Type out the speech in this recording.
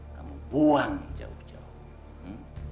kamu buang jauh jauh